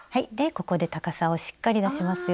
ここで高さをしっかり出しますよ。